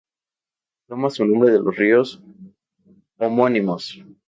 Toma su nombre de los ríos homónimos.